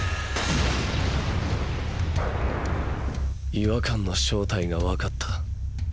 違和感の正体がわかった。